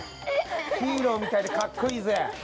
ヒーローみたいでかっこいいぜ！